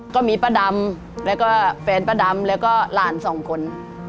ก็มีป้าดำแล้วก็แฟนป้าดำแล้วก็หลานสองคน